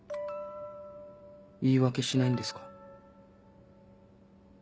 言い訳しないんですか？